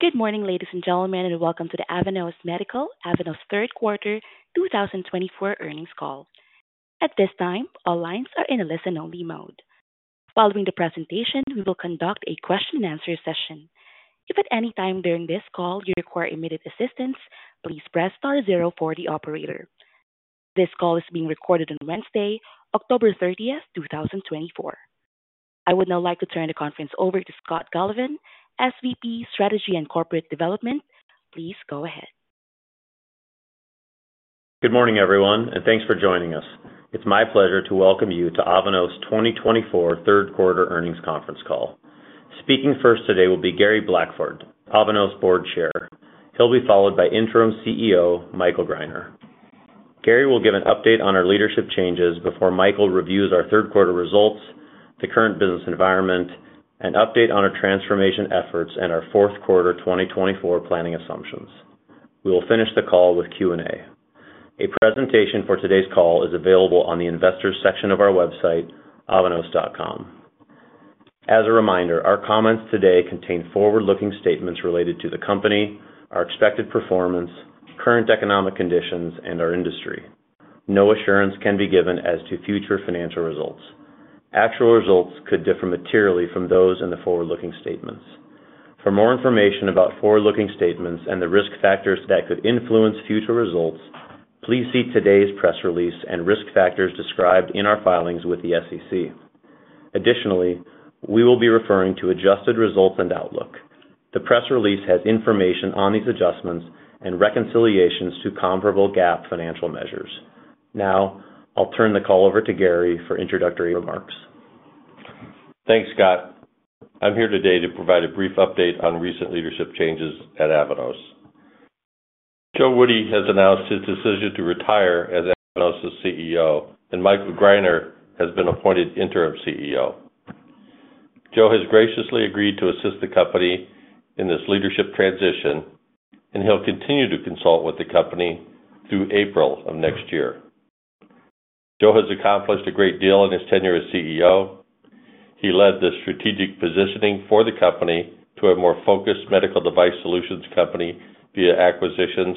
Good morning, ladies and gentlemen, and welcome to the Avanos Medical's third quarter 2024 earnings call. At this time, all lines are in a listen-only mode. Following the presentation, we will conduct a question-and-answer session. If at any time during this call you require immediate assistance, please press star zero for the operator. This call is being recorded on Wednesday, October 30th, 2024. I would now like to turn the conference over to Scott Galovan, SVP, Strategy and Corporate Development. Please go ahead. Good morning, everyone, and thanks for joining us. It's my pleasure to welcome you to Avanos' 2024 third quarter earnings conference call. Speaking first today will be Gary Blackford, Avanos Board Chair. He'll be followed by Interim CEO Michael Greiner. Gary will give an update on our leadership changes before Michael reviews our third quarter results, the current business environment, an update on our transformation efforts, and our fourth quarter 2024 planning assumptions. We will finish the call with Q&A. A presentation for today's call is available on the Investors section of our website, avanos.com. As a reminder, our comments today contain forward-looking statements related to the company, our expected performance, current economic conditions, and our industry. No assurance can be given as to future financial results. Actual results could differ materially from those in the forward-looking statements. For more information about forward-looking statements and the risk factors that could influence future results, please see today's press release and risk factors described in our filings with the SEC. Additionally, we will be referring to adjusted results and outlook. The press release has information on these adjustments and reconciliations to comparable GAAP financial measures. Now, I'll turn the call over to Gary for introductory remarks. Thanks, Scott. I'm here today to provide a brief update on recent leadership changes at Avanos. Joe Woody has announced his decision to retire as Avanos's CEO, and Michael Greiner has been appointed interim CEO. Joe has graciously agreed to assist the company in this leadership transition, and he'll continue to consult with the company through April of next year. Joe has accomplished a great deal in his tenure as CEO. He led the strategic positioning for the company to a more focused medical device solutions company via acquisitions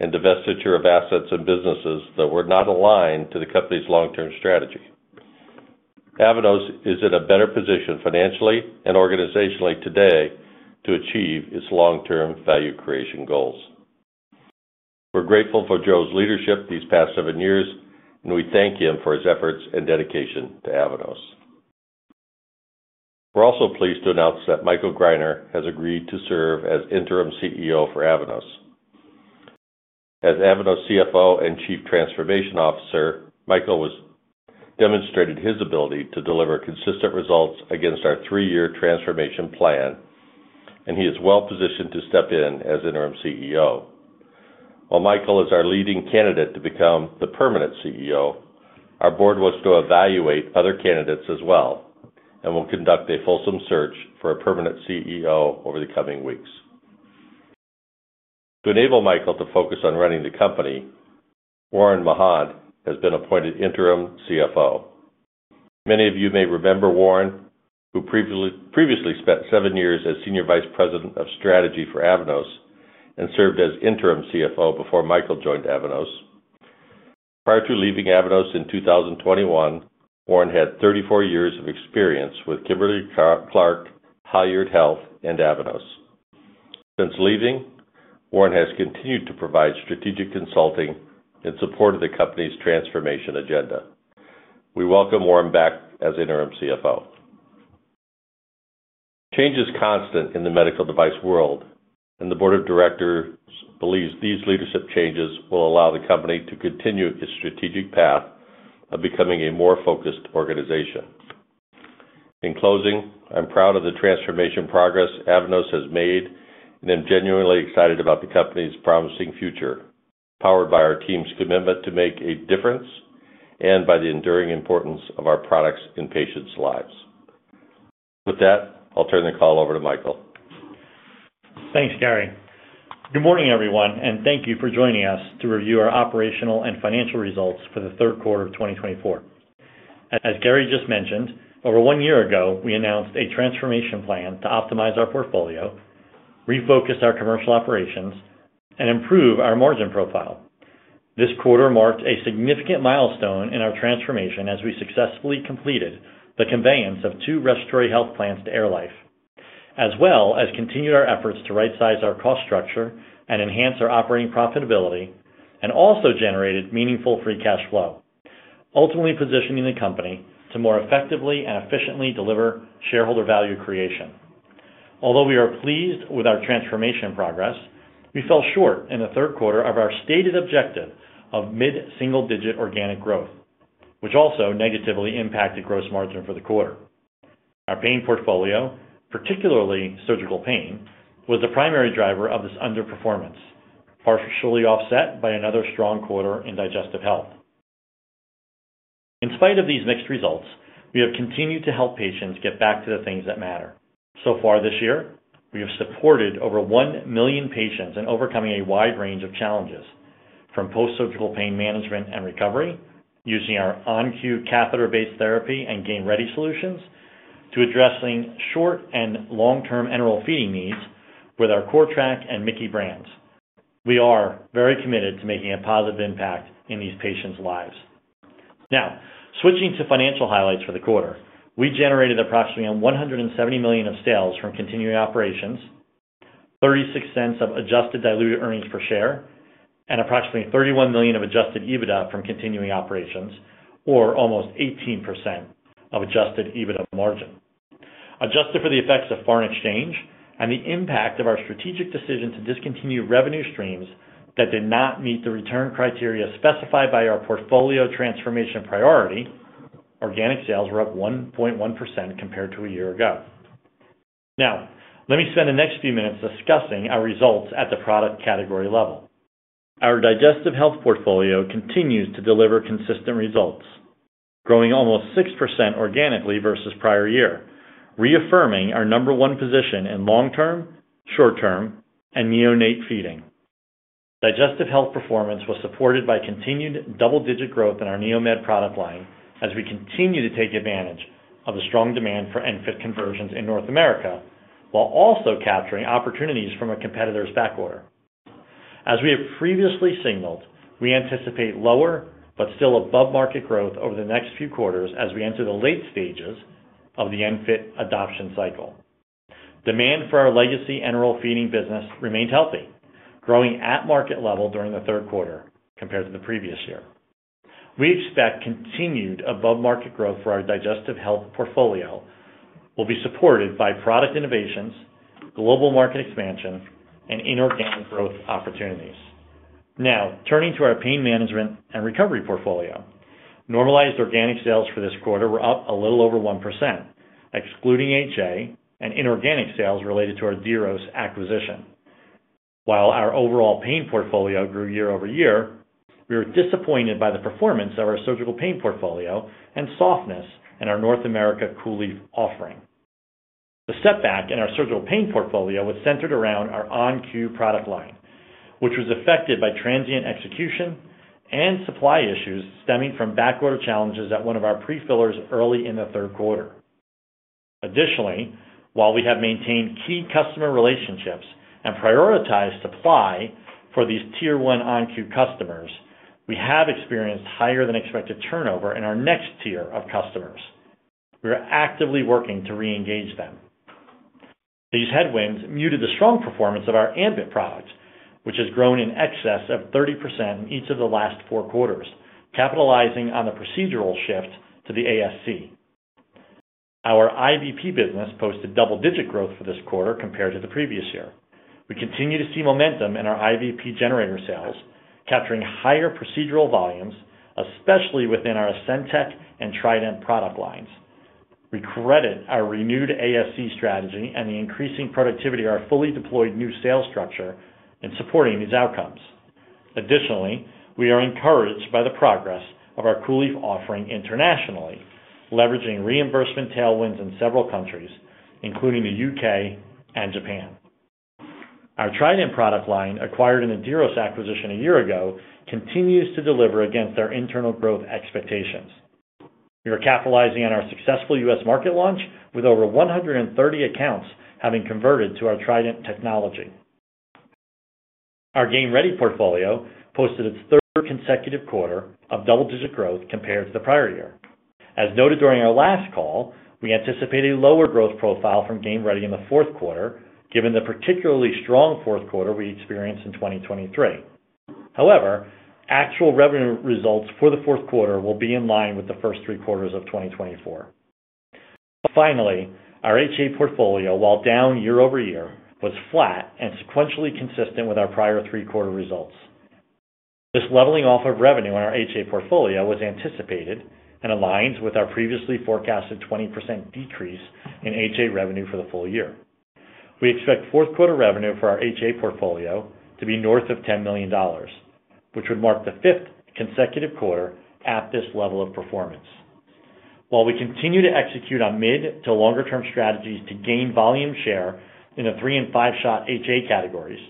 and the divestiture of assets and businesses that were not aligned to the company's long-term strategy. Avanos is in a better position financially and organizationally today to achieve its long-term value creation goals. We're grateful for Joe's leadership these past seven years, and we thank him for his efforts and dedication to Avanos. We're also pleased to announce that Michael Greiner has agreed to serve as Interim CEO for Avanos. As Avanos' CFO and Chief Transformation Officer, Michael has demonstrated his ability to deliver consistent results against our three-year transformation plan, and he is well positioned to step in as Interim CEO. While Michael is our leading candidate to become the permanent CEO, our board wants to evaluate other candidates as well and will conduct a fulsome search for a permanent CEO over the coming weeks. To enable Michael to focus on running the company, Warren Machan has been appointed Interim CFO. Many of you may remember Warren, who previously spent seven years as Senior Vice President of Strategy for Avanos and served as Interim CFO before Michael joined Avanos. Prior to leaving Avanos in 2021, Warren had 34 years of experience with Kimberly-Clark, Halyard Health, and Avanos. Since leaving, Warren has continued to provide strategic consulting in support of the company's transformation agenda. We welcome Warren back as Interim CFO. Change is constant in the medical device world, and the board of directors believes these leadership changes will allow the company to continue its strategic path of becoming a more focused organization. In closing, I'm proud of the transformation progress Avanos has made and am genuinely excited about the company's promising future, powered by our team's commitment to make a difference and by the enduring importance of our products in patients' lives. With that, I'll turn the call over to Michael. Thanks, Gary. Good morning, everyone, and thank you for joining us to review our operational and financial results for the third quarter of 2024. As Gary just mentioned, over one year ago, we announced a transformation plan to optimize our portfolio, refocus our commercial operations, and improve our margin profile. This quarter marked a significant milestone in our transformation as we successfully completed the conveyance of two respiratory health plants to AirLife, as well as continued our efforts to right-size our cost structure and enhance our operating profitability, and also generated meaningful free cash flow, ultimately positioning the company to more effectively and efficiently deliver shareholder value creation. Although we are pleased with our transformation progress, we fell short in the third quarter of our stated objective of mid-single-digit organic growth, which also negatively impacted gross margin for the quarter. Our pain portfolio, particularly surgical pain, was the primary driver of this underperformance, partially offset by another strong quarter in digestive health. In spite of these mixed results, we have continued to help patients get back to the things that matter. So far this year, we have supported over 1 million patients in overcoming a wide range of challenges, from post-surgical pain management and recovery, using our ON-Q catheter-based therapy and Game Ready solutions, to addressing short and long-term enteral feeding needs with our CORTRAK and MIC-KEY brands. We are very committed to making a positive impact in these patients' lives. Now, switching to financial highlights for the quarter, we generated approximately $170 million of sales from continuing operations, $0.36 of adjusted diluted earnings per share, and approximately $31 million of adjusted EBITDA from continuing operations, or almost 18% adjusted EBITDA margin. Adjusted for the effects of foreign exchange and the impact of our strategic decision to discontinue revenue streams that did not meet the return criteria specified by our portfolio transformation priority, organic sales were up 1.1% compared to a year ago. Now, let me spend the next few minutes discussing our results at the product category level. Our digestive health portfolio continues to deliver consistent results, growing almost 6% organically versus prior year, reaffirming our number one position in long-term, short-term, and neonate feeding. Digestive health performance was supported by continued double-digit growth in our NEOMED product line as we continue to take advantage of the strong demand for ENFit conversions in North America, while also capturing opportunities from a competitor's backorder. As we have previously signaled, we anticipate lower but still above-market growth over the next few quarters as we enter the late stages of the ENFit adoption cycle. Demand for our legacy enteral feeding business remained healthy, growing at market level during the third quarter compared to the previous year. We expect continued above-market growth for our digestive health portfolio will be supported by product innovations, global market expansion, and inorganic growth opportunities. Now, turning to our pain management and recovery portfolio, normalized organic sales for this quarter were up a little over 1%, excluding HA, and inorganic sales related to our Diros acquisition. While our overall pain portfolio grew year-over-year, we were disappointed by the performance of our surgical pain portfolio and softness in our North America COOLIEF offering. The setback in our surgical pain portfolio was centered around our ON-Q product line, which was affected by transient execution and supply issues stemming from backorder challenges at one of our prefillers early in the third quarter. Additionally, while we have maintained key customer relationships and prioritized supply for these Tier 1 ON-Q customers, we have experienced higher-than-expected turnover in our next tier of customers. We are actively working to re-engage them. These headwinds muted the strong performance of our ambIT product, which has grown in excess of 30% in each of the last four quarters, capitalizing on the procedural shift to the ASC. Our IVP business posted double-digit growth for this quarter compared to the previous year. We continue to see momentum in our IVP generator sales, capturing higher procedural volumes, especially within our AscendTech and TRIDENT product lines. We credit our renewed ASC strategy and the increasing productivity of our fully deployed new sales structure in supporting these outcomes. Additionally, we are encouraged by the progress of our COOLIEF offering internationally, leveraging reimbursement tailwinds in several countries, including the U.K. and Japan. Our TRIDENT product line, acquired in a Diros acquisition a year ago, continues to deliver against our internal growth expectations. We are capitalizing on our successful U.S. market launch, with over 130 accounts having converted to our TRIDENT technology. Our Game Ready portfolio posted its third consecutive quarter of double-digit growth compared to the prior year. As noted during our last call, we anticipate a lower growth profile from Game Ready in the fourth quarter, given the particularly strong fourth quarter we experienced in 2023. However, actual revenue results for the fourth quarter will be in line with the first three quarters of 2024. Finally, our HA portfolio, while down year-over-year, was flat and sequentially consistent with our prior three-quarter results. This leveling off of revenue in our HA portfolio was anticipated and aligns with our previously forecasted 20% decrease in HA revenue for the full year. We expect fourth quarter revenue for our HA portfolio to be north of $10 million, which would mark the fifth consecutive quarter at this level of performance. While we continue to execute on mid- to longer-term strategies to gain volume share in the three and five-shot HA categories,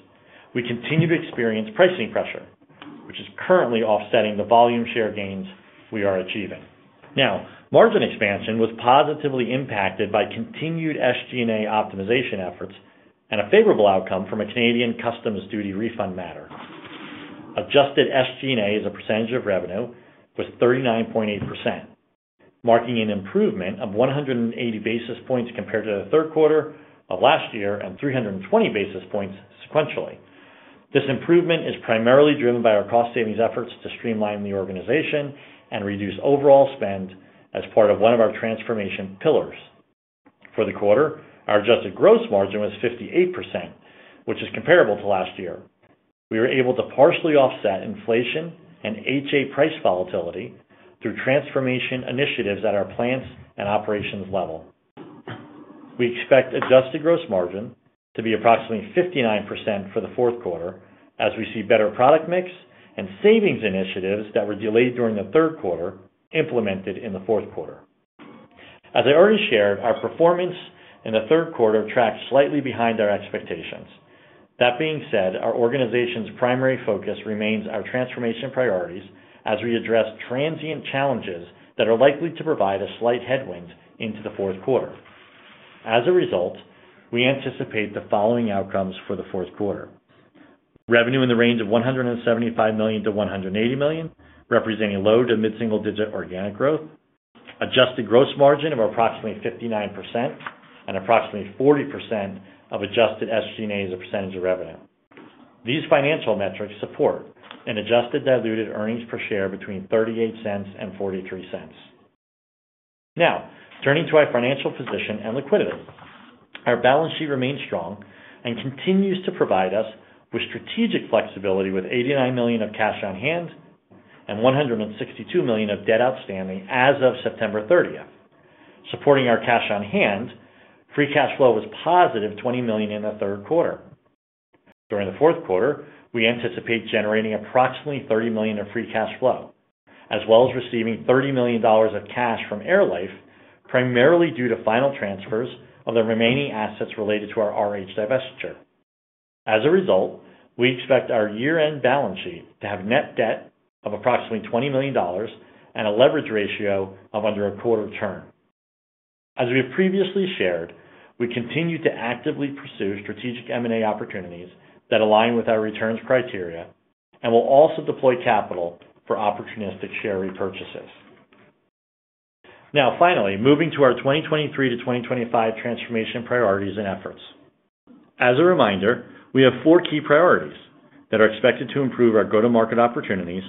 we continue to experience pricing pressure, which is currently offsetting the volume share gains we are achieving. Now, margin expansion was positively impacted by continued SG&A optimization efforts and a favorable outcome from a Canadian customs duty refund matter. Adjusted SG&A is a percentage of revenue with 39.8%, marking an improvement of 180 basis points compared to the third quarter of last year and 320 basis points sequentially. This improvement is primarily driven by our cost-savings efforts to streamline the organization and reduce overall spend as part of one of our transformation pillars. For the quarter, our adjusted gross margin was 58%, which is comparable to last year. We were able to partially offset inflation and HA price volatility through transformation initiatives at our plants and operations level. We expect adjusted gross margin to be approximately 59% for the fourth quarter, as we see better product mix and savings initiatives that were delayed during the third quarter implemented in the fourth quarter. As I already shared, our performance in the third quarter tracked slightly behind our expectations. That being said, our organization's primary focus remains our transformation priorities as we address transient challenges that are likely to provide a slight headwind into the fourth quarter. As a result, we anticipate the following outcomes for the fourth quarter: revenue in the range of $175 million-$180 million, representing low- to mid-single-digit organic growth. Adjusted gross margin of approximately 59%. And approximately 40% of adjusted SG&A as a percentage of revenue. These financial metrics support an adjusted diluted earnings per share between $0.38 and $0.43. Now, turning to our financial position and liquidity, our balance sheet remains strong and continues to provide us with strategic flexibility with $89 million of cash on hand and $162 million of debt outstanding as of September 30th. Supporting our cash on hand, free cash flow was positive $20 million in the third quarter. During the fourth quarter, we anticipate generating approximately $30 million of free cash flow, as well as receiving $30 million of cash from AirLife, primarily due to final transfers of the remaining assets related to our RH divestiture. As a result, we expect our year-end balance sheet to have net debt of approximately $20 million and a leverage ratio of under a quarter turn. As we have previously shared, we continue to actively pursue strategic M&A opportunities that align with our returns criteria and will also deploy capital for opportunistic share repurchases. Now, finally, moving to our 2023 to 2025 transformation priorities and efforts. As a reminder, we have four key priorities that are expected to improve our go-to-market opportunities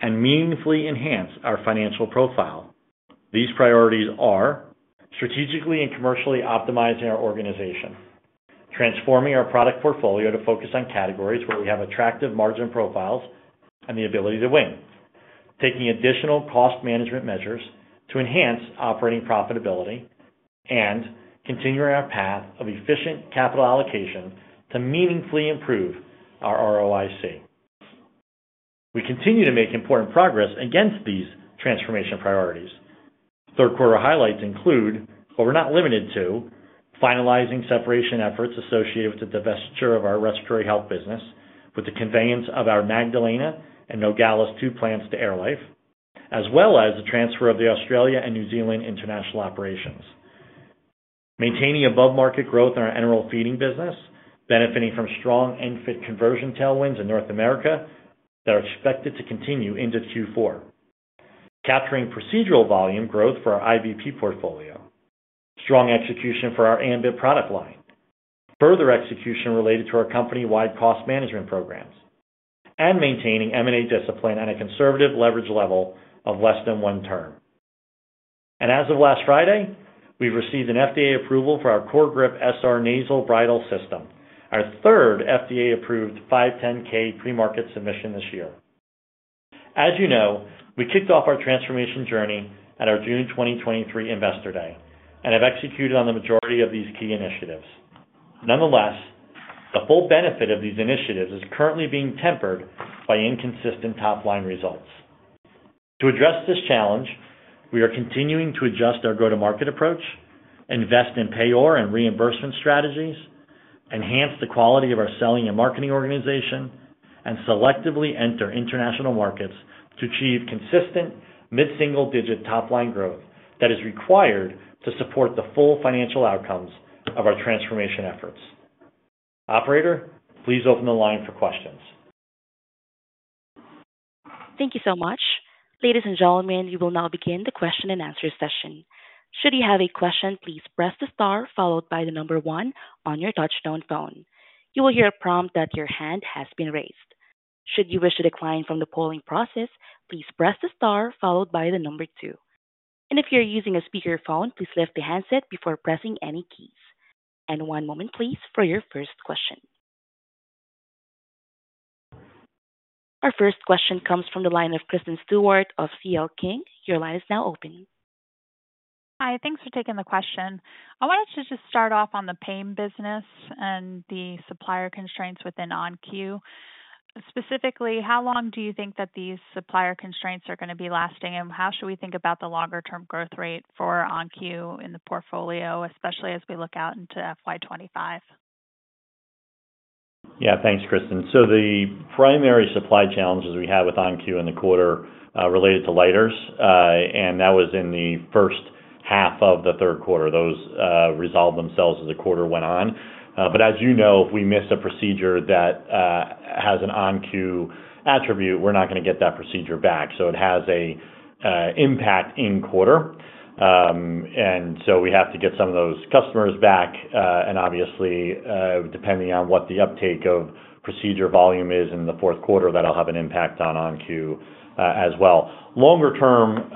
and meaningfully enhance our financial profile. These priorities are strategically and commercially optimizing our organization, transforming our product portfolio to focus on categories where we have attractive margin profiles and the ability to win, taking additional cost management measures to enhance operating profitability, and continuing our path of efficient capital allocation to meaningfully improve our ROIC. We continue to make important progress against these transformation priorities. Third quarter highlights include, but were not limited to, finalizing separation efforts associated with the divestiture of our respiratory health business with the conveyance of our Magdalena and Nogales 2 plants to AirLife, as well as the transfer of the Australia and New Zealand international operations, maintaining above-market growth in our enteral feeding business, benefiting from strong ENFit conversion tailwinds in North America that are expected to continue into Q4, capturing procedural volume growth for our IVP portfolio, strong execution for our ambIT product line, further execution related to our company-wide cost management programs, and maintaining M&A discipline at a conservative leverage level of less than one turn, and as of last Friday, we've received an FDA approval for our CORGRIP SR nasal bridle system, our third FDA-approved 510(k) premarket submission this year. As you know, we kicked off our transformation journey at our June 2023 Investor Day and have executed on the majority of these key initiatives. Nonetheless, the full benefit of these initiatives is currently being tempered by inconsistent top-line results. To address this challenge, we are continuing to adjust our go-to-market approach, invest in payor and reimbursement strategies, enhance the quality of our selling and marketing organization, and selectively enter international markets to achieve consistent mid-single-digit top-line growth that is required to support the full financial outcomes of our transformation efforts. Operator, please open the line for questions. Thank you so much. Ladies and gentlemen, we will now begin the question and answer session. Should you have a question, please press the star followed by the number one on your touch-tone phone. You will hear a prompt that your hand has been raised. Should you wish to decline from the polling process, please press the star followed by the number two. And if you're using a speakerphone, please lift the handset before pressing any keys. And one moment, please, for your first question. Our first question comes from the line of Kristen Stewart of C.L. King. Your line is now open. Hi, thanks for taking the question. I wanted to just start off on the pain business and the supplier constraints within ON-Q. Specifically, how long do you think that these supplier constraints are going to be lasting, and how should we think about the longer-term growth rate for ON-Q in the portfolio, especially as we look out into FY 2025? Yeah, thanks, Kristen. So the primary supply challenges we have with ON-Q in the quarter related to Leiters, and that was in the first half of the third quarter. Those resolved themselves as the quarter went on. But as you know, if we miss a procedure that has an ON-Q attribute, we're not going to get that procedure back. So it has an impact in quarter. And so we have to get some of those customers back. And obviously, depending on what the uptake of procedure volume is in the fourth quarter, that'll have an impact on ON-Q as well. Longer term,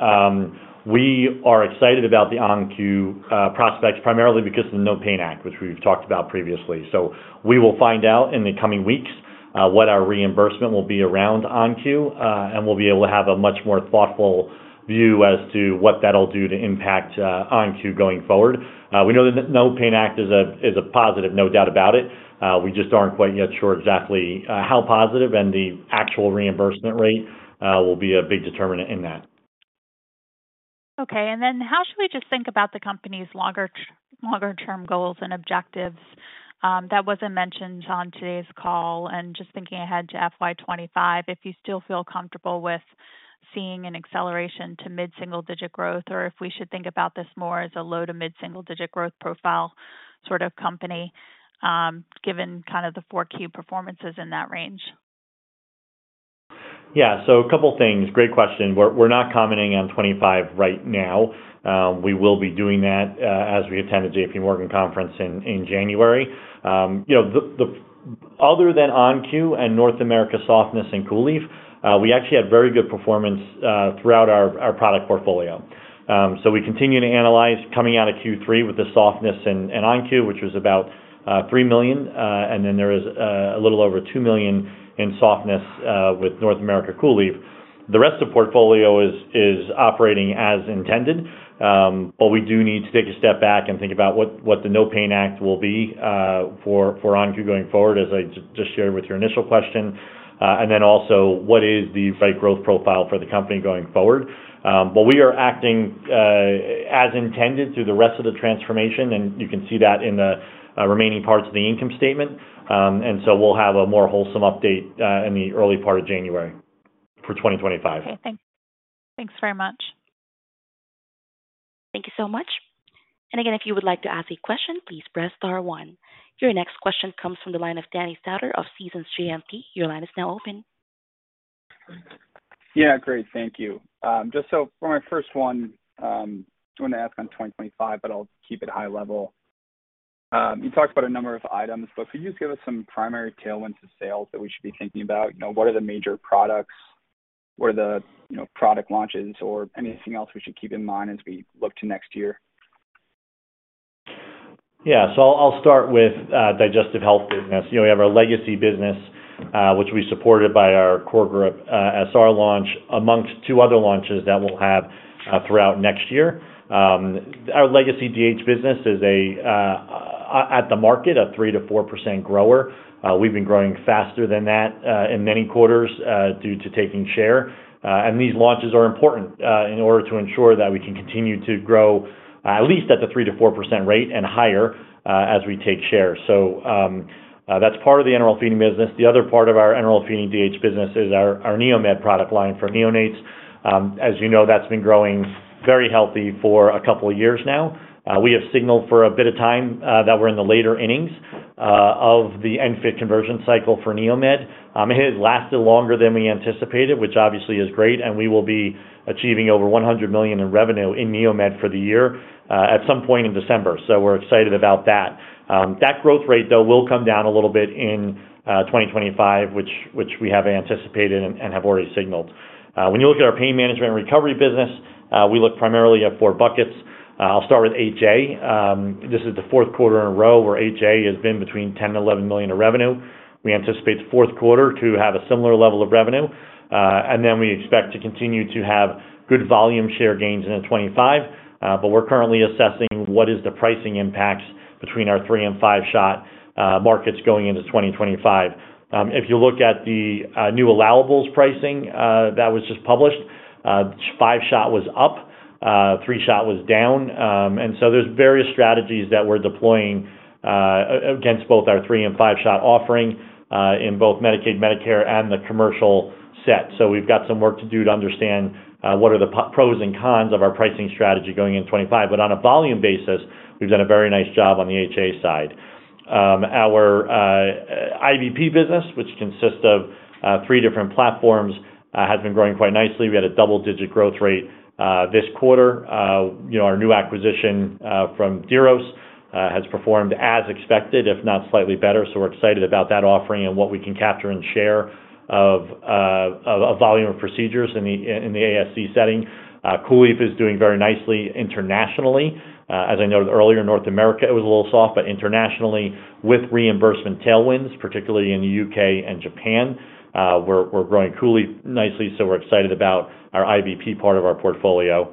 we are excited about the ON-Q prospects primarily because of the NOPAIN Act, which we've talked about previously. So we will find out in the coming weeks what our reimbursement will be around ON-Q, and we'll be able to have a much more thoughtful view as to what that'll do to impact ON-Q going forward. We know that NOPAIN Act is a positive, no doubt about it. We just aren't quite yet sure exactly how positive, and the actual reimbursement rate will be a big determinant in that. Okay. And then how should we just think about the company's longer-term goals and objectives? That wasn't mentioned on today's call. And just thinking ahead to FY 2025, if you still feel comfortable with seeing an acceleration to mid-single-digit growth, or if we should think about this more as a low to mid-single-digit growth profile sort of company, given kind of the four key performances in that range? Yeah. So a couple of things. Great question. We're not commenting on 25 right now. We will be doing that as we attend the JPMorgan conference in January. Other than ON-Q and North America softness and COOLIEF, we actually had very good performance throughout our product portfolio. So we continue to analyze coming out of Q3 with the softness in ON-Q, which was about $3 million, and then there is a little over $2 million in softness with North America COOLIEF. The rest of the portfolio is operating as intended, but we do need to take a step back and think about what the NOPAIN Act will be for ON-Q going forward, as I just shared with your initial question. And then also, what is the right growth profile for the company going forward? But we are acting as intended through the rest of the transformation, and you can see that in the remaining parts of the income statement. And so we'll have a more whole update in the early part of January for 2025. Okay. Thanks very much. Thank you so much. And again, if you would like to ask a question, please press star one. Your next question comes from the line of Danny Stauder of JMP Securities. Your line is now open. Yeah, great. Thank you. Just so for my first one, I want to ask on 2025, but I'll keep it high level. You talked about a number of items, but could you just give us some primary tailwinds to sales that we should be thinking about? What are the major products? What are the product launches or anything else we should keep in mind as we look to next year? Yeah. So I'll start with digestive health business. We have our legacy business, which we supported by our CORGRIP SR launch amongst two other launches that we'll have throughout next year. Our legacy DH business is, at the market, a 3%-4% grower. We've been growing faster than that in many quarters due to taking share. These launches are important in order to ensure that we can continue to grow at least at the 3%-4% rate and higher as we take share. That's part of the enteral feeding business. The other part of our enteral feeding DH business is our NEOMED product line for neonates. As you know, that's been growing very healthy for a couple of years now. We have signaled for a bit of time that we're in the later innings of the ENFit conversion cycle for NEOMED. It has lasted longer than we anticipated, which obviously is great, and we will be achieving over $100 million in revenue in NEOMED for the year at some point in December. We're excited about that. That growth rate, though, will come down a little bit in 2025, which we have anticipated and have already signaled. When you look at our pain management recovery business, we look primarily at four buckets. I'll start with HA. This is the fourth quarter in a row where HA has been between $10 million and $11 million of revenue. We anticipate the fourth quarter to have a similar level of revenue. And then we expect to continue to have good volume share gains into 2025, but we're currently assessing what is the pricing impacts between our three and five shot markets going into 2025. If you look at the new allowables pricing that was just published, five shot was up, three shot was down. And so there's various strategies that we're deploying against both our three and five shot offering in both Medicaid, Medicare, and the commercial set. So we've got some work to do to understand what are the pros and cons of our pricing strategy going into 2025. But on a volume basis, we've done a very nice job on the ENFit side. Our IVP business, which consists of three different platforms, has been growing quite nicely. We had a double-digit growth rate this quarter. Our new acquisition from Diros has performed as expected, if not slightly better. So we're excited about that offering and what we can capture and share of a volume of procedures in the ASC setting. COOLIEF is doing very nicely internationally. As I noted earlier, North America was a little soft, but internationally, with reimbursement tailwinds, particularly in the U.K. and Japan, we're growing COOLIEF nicely. So we're excited about our IVP part of our portfolio.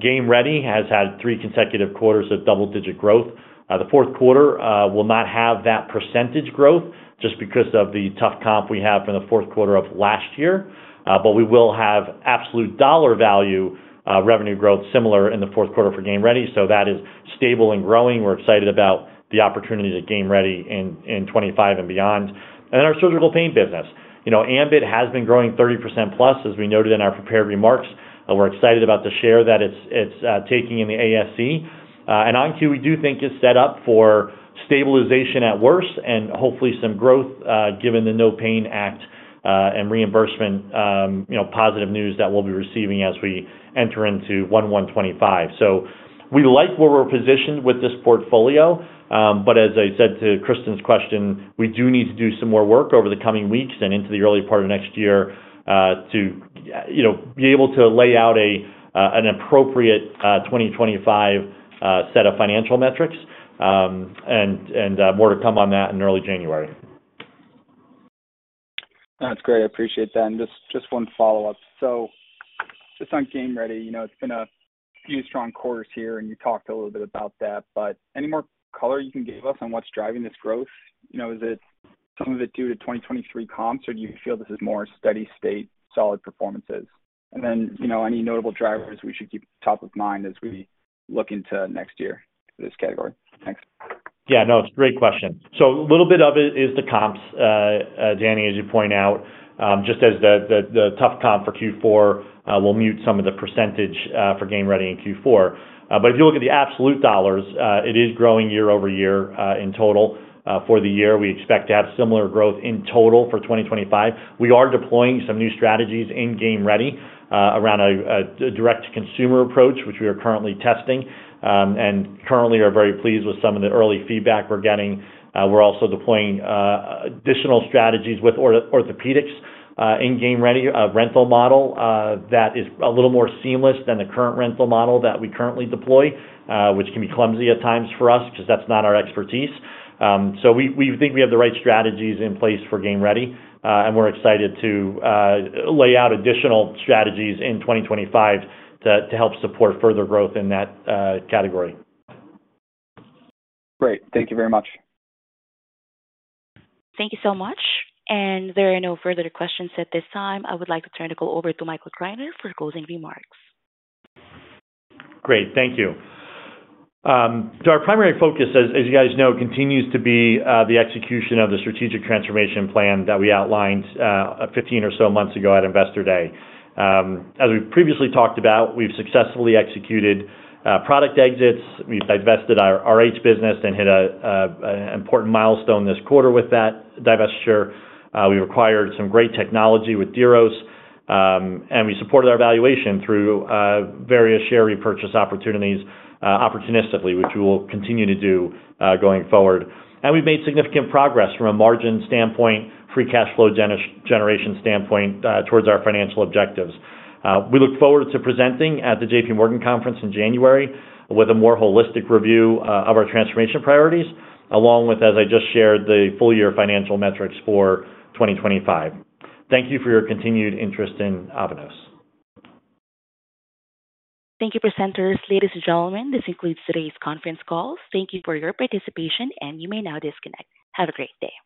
Game Ready has had three consecutive quarters of double-digit growth. The fourth quarter will not have that percentage growth just because of the tough comp we had from the fourth quarter of last year, but we will have absolute dollar value revenue growth similar in the fourth quarter for Game Ready. So that is stable and growing. We're excited about the opportunity to Game Ready in 2025 and beyond. And then our surgical pain business. ambIT has been growing 30%+, as we noted in our prepared remarks. We're excited about the share that it's taking in the ASC. And ON-Q, we do think it's set up for stabilization at worst and hopefully some growth given the NOPAIN Act and reimbursement positive news that we'll be receiving as we enter into January 1, 2025. So we like where we're positioned with this portfolio, but as I said to Kristen's question, we do need to do some more work over the coming weeks and into the early part of next year to be able to lay out an appropriate 2025 set of financial metrics and more to come on that in early January. That's great. I appreciate that. And just one follow-up. So just on Game Ready, it's been a few strong quarters here, and you talked a little bit about that, but any more color you can give us on what's driving this growth? Is it some of it due to 2023 comps, or do you feel this is more steady state, solid performances? And then any notable drivers we should keep top of mind as we look into next year for this category? Thanks. Yeah. No, it's a great question. So a little bit of it is the comps, Danny, as you point out, just as the tough comp for Q4 will mute some of the percentage for Game Ready in Q4. But if you look at the absolute dollars, it is growing year-over-year in total for the year. We expect to have similar growth in total for 2025. We are deploying some new strategies in Game Ready around a direct-to-consumer approach, which we are currently testing and currently are very pleased with some of the early feedback we're getting. We're also deploying additional strategies with orthopedics in Game Ready, a rental model that is a little more seamless than the current rental model that we currently deploy, which can be clumsy at times for us because that's not our expertise. So we think we have the right strategies in place for Game Ready, and we're excited to lay out additional strategies in 2025 to help support further growth in that category. Great. Thank you very much. Thank you so much. And there are no further questions at this time. I would like to turn it over to Michael Greiner for closing remarks. Great. Thank you. So our primary focus, as you guys know, continues to be the execution of the strategic transformation plan that we outlined 15 or so months ago at Investor Day. As we previously talked about, we've successfully executed product exits. We've divested our RH business and hit an important milestone this quarter with that divestiture. We've acquired some great technology with Diros, and we supported our valuation through various share repurchase opportunities opportunistically, which we will continue to do going forward. And we've made significant progress from a margin standpoint, free cash flow generation standpoint towards our financial objectives. We look forward to presenting at the JPMorgan conference in January with a more holistic review of our transformation priorities, along with, as I just shared, the full year financial metrics for 2025. Thank you for your continued interest in Avanos. Thank you, presenters. Ladies and gentlemen, this concludes today's conference calls. Thank you for your participation, and you may now disconnect. Have a great day.